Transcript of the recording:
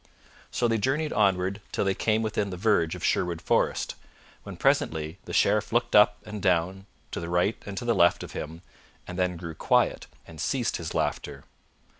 So they journeyed onward till they came within the verge of Sherwood Forest, when presently the Sheriff looked up and down and to the right and to the left of him, and then grew quiet and ceased his laughter.